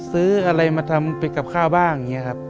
ซื้ออะไรมาทำเป็นกับข้าวบ้าง